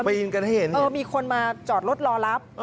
ปีนกันให้เห็นเออมีคนมาจอดรถรอรับ